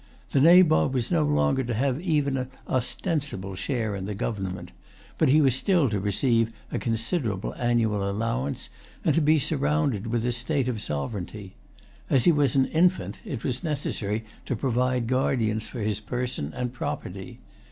The Nabob was no longer to have even an ostensible share in the government; but he was still to receive a considerable annual allowance, and to be surrounded with the state of sovereignty. As he was an infant, it was necessary to provide guardians for his person and property.